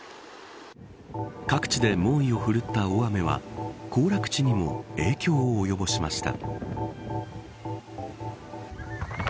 各地で猛威をふるった大雨は行楽地にも影響をおよぼしました。